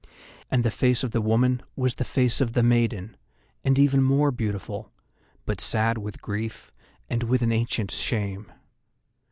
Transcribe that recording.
And the face of the woman was the face of the maiden, and even more beautiful, but sad with grief and with an ancient shame.